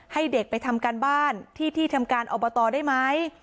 ให้เด็กไปทำการบ้านที่ที่ทำการอบตได้ไหม